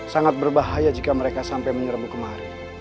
sangat berbahaya jika mereka sampai menyerbu kemari